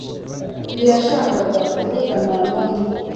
Ntiyashakaga kuvugana n'umwe.